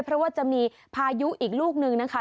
เพราะว่าจะมีพายุอีกลูกนึงนะคะ